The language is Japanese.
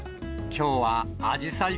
きょうはあじさい